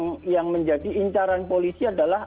yang menjadi incaran polisi adalah